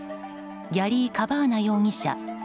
ギャリー・カバーナ容疑者